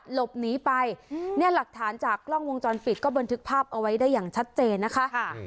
หลบหนีไปเนี่ยหลักฐานจากกล้องวงจรปิดก็บันทึกภาพเอาไว้ได้อย่างชัดเจนนะคะ